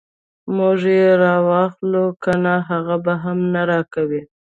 موږ یې راواخلو کنه هغه هم نه راکوي.